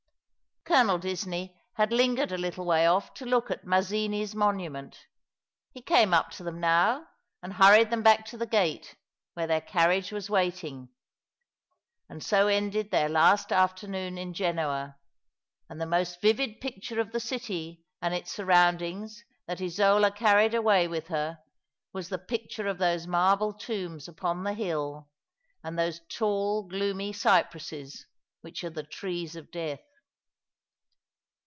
Colonel Disney had lingered a little way off to look at Mazzini's monument. He came up to them now, and hurried them back to the gate, where their carriage was waiting. And so ended their last afternoon in Genoa ; and the most vivid picture of the city and its surroundings that Isola carried away with her was the picture of those marble tombs upon the hill, and those tall and gloomy cypresses which are the trees of death.